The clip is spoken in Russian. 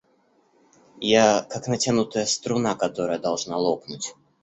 Я — как натянутая струна, которая должна лопнуть.